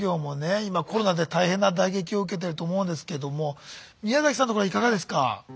今コロナで大変な打撃を受けてると思うんですけども宮さんところはいかがですか？